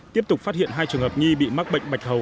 tiếp tục phát hiện hai trường hợp nghi bị mắc bệnh bạch hầu